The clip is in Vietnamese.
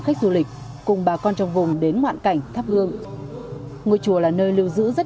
khách du lịch cùng bà con trong vùng đến ngoạn cảnh thắp hương ngôi chùa là nơi lưu giữ rất